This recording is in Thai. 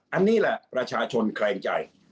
อันนี้แหละประชาชนแคลงใจ